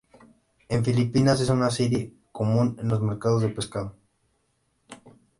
En Filipinas es una especie común en los mercados de pescado.